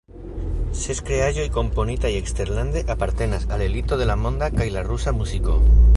Ses kreaĵoj komponitaj eksterlande apartenas al elito de la monda kaj la rusa muziko.